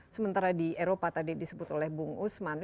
sementara di eropa tadi disebut oleh bung usman